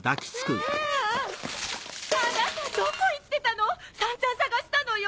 あなたどこ行ってたの⁉散々捜したのよ！